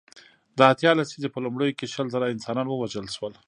د اتیا لسیزې په لومړیو کې شل زره انسانان ووژل شول.